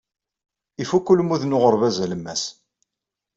Ifukk ulmud n uɣerbaz alemmas.